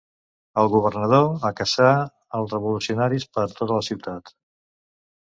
El governador acaçà els revolucionaris per tota la ciutat.